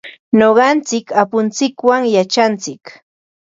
Nuqanchik apuntsikwan yachantsik.